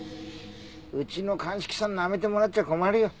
うちの鑑識さんなめてもらっちゃ困るよ。